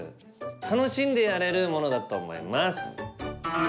楽しんでやれるものだと思います。